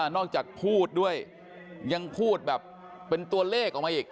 จากพูดด้วยยังพูดแบบเป็นตัวเลขออกมาอีก